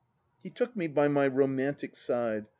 He took me by my romantic side.